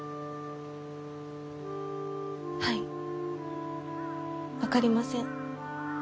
はい分かりません。